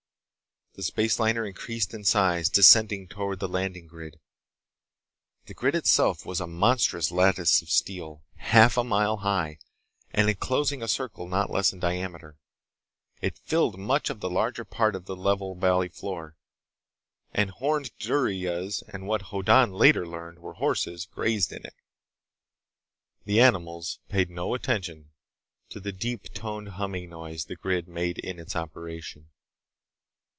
The space liner increased in size, descending toward the landing grid. The grid itself was a monstrous lattice of steel, half a mile high and enclosing a circle not less in diameter. It filled much the larger part of the level valley floor, and horned duryas and what Hoddan later learned were horses grazed in it. The animals paid no attention to the deep toned humming noise the grid made in its operation.